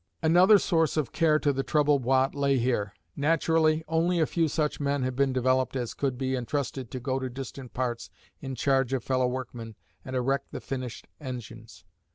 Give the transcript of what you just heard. Another source of care to the troubled Watt lay here. Naturally, only a few such men had been developed as could be entrusted to go to distant parts in charge of fellow workmen and erect the finished engines.